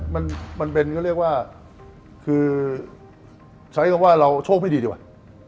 ไม่มันเป็นก็เรียกว่าคือใช้คำว่าเราโชคพิธีดีกว่า